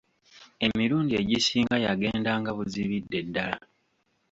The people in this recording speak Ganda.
Emirundi egisinga yagendanga buzibidde ddala.